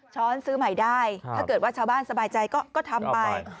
ช้อนซื้อใหม่ได้ถ้าเกิดว่าชาวบ้านสบายใจก็ทำไป